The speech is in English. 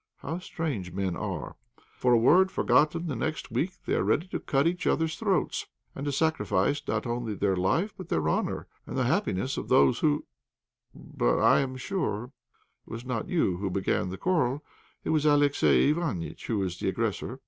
How strange men are! For a word forgotten the next week they are ready to cut each other's throats, and to sacrifice not only their life, but their honour, and the happiness of those who But I am sure it was not you who began the quarrel; it was Alexey Iványtch who was the aggressor."